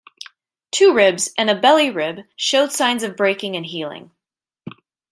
Two ribs and a belly-rib showed signs of breaking and healing.